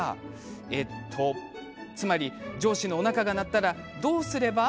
えーっとつまり、上司のおなかが鳴ったらどうすれば？